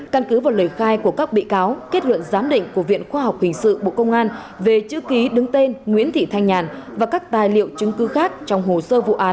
căn cứ vào lời khai của các bị cáo kết luận giám định của viện khoa học hình sự bộ công an về chữ ký đứng tên nguyễn thị thanh nhàn và các tài liệu chứng cứ khác trong hồ sơ vụ án